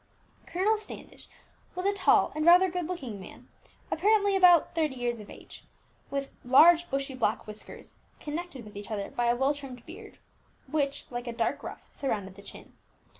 Colonel Standish was a tall and rather good looking man, apparently about thirty years of age, with large bushy black whiskers, connected with each other by a well trimmed beard, which, like a dark ruff, surrounded the chin.